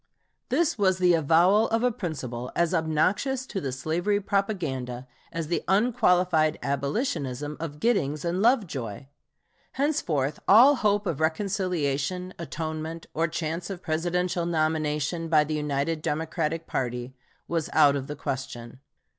This was the avowal of a principle as obnoxious to the slavery propaganda as the unqualified abolitionism of Giddings and Lovejoy. Henceforth all hope of reconciliation, atonement, or chance of Presidential nomination by the united Democratic party was out of the question.